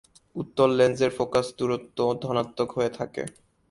উত্তল লেন্সের ফোকাস দূরত্ব ধনাত্মক হয়ে থাকে।